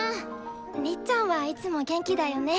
りっちゃんはいつも元気だよね。